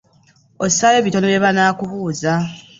Ossaayo bitono bye banaakubuuza.